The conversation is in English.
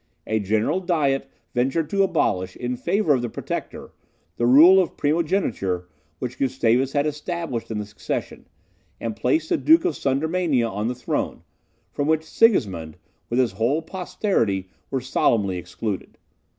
A general Diet ventured to abolish, in favour of the Protector, the rule of primogeniture which Gustavus had established in the succession, and placed the Duke of Sudermania on the throne, from which Sigismund, with his whole posterity, were solemnly excluded.